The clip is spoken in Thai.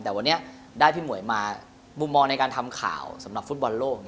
แต่วันนี้ได้พี่หมวยมามุมมองในการทำข่าวสำหรับฟุตบอลโลก